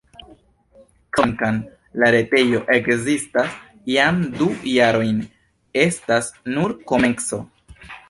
Kvankam la retejo ekzistas jam du jarojn, estas nur komenco.